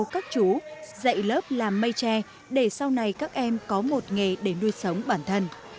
các chú dạy lớp làm mây tre để sau này các em có một nghề để nuôi sống bản thân